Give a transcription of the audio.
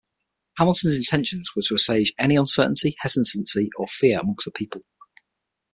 Hamilton's intentions were to assuage any uncertainty, hesitancy or fear amongst the people.